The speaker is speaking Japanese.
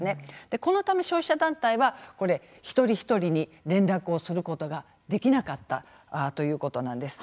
このため消費者団体は一人一人に連絡をすることができなかったということなんです。